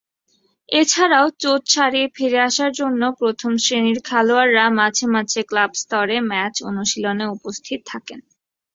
এছাড়াও চোট সারিয়ে ফিরে আসার জন্য প্রথম শ্রেণির খেলোয়াড়রা মাঝে মাঝে ক্লাব স্তরে ম্যাচ অনুশীলনে উপস্থিত থাকেন।